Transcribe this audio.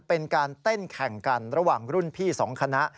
เป็นการเต้นแข่งกันระหว่างรุ่นพี่๒คณะ